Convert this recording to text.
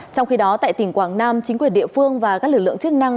trong khi đó tại tỉnh quảng nam chính quyền địa phương và các lực lượng chức năng